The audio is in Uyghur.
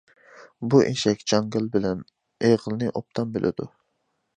بۇ ئېشەك جاڭگال بىلەن ئېغىلنى ئوبدان بىلىدۇ.